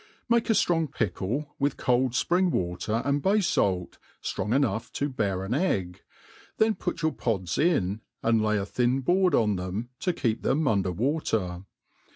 MAKE a ftrong pickle, with cold fpring water and bay falt, ftrong enough to bear an egg, then put your pod^ in^ and lay a thin board on them, to keep them under water.